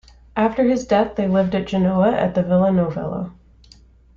After his death they lived at Genoa at the Villa Novello.